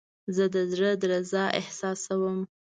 زه د زړه درزا احساسوم.